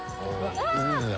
うわ！